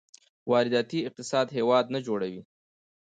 وارداتي اقتصاد هېواد نه جوړوي.